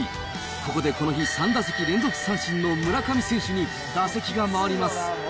ここでこの日、３打席連続三振の村上選手に打席が回ります。